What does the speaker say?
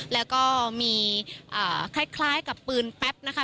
แล้วก็มีคล้ายกับปืนแป๊บนะคะ